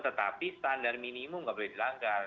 tetapi standar minimum nggak boleh dilanggar